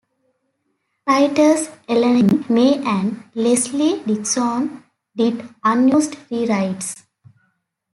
Writers Elaine May and Leslie Dixon did unused rewrites.